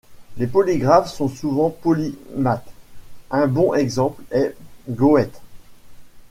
Les polygraphes sont souvent polymathes — un bon exemple est Goethe.